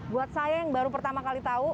buat saya yang baru pertama kali tahu